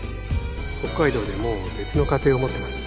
北海道でもう別の家庭を持ってます